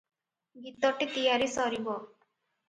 ଗୀତଟି ତିଆରି ସରିବ ।